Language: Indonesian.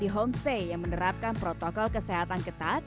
di homestay yang menerapkan protokol kesehatan ketat